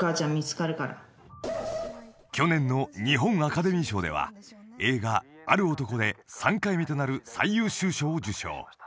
［去年の日本アカデミー賞では映画『ある男』で３回目となる最優秀賞を受賞］